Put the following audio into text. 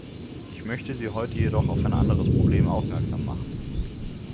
Ich möchte Sie heute jedoch auf ein anderes Problem aufmerksam machen.